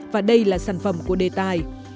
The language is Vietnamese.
và đây là sản phẩm của đề tài